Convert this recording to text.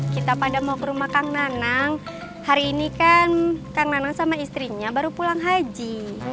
kita pada mau ke rumah kang nanang hari ini kan kang nanang sama istrinya baru pulang haji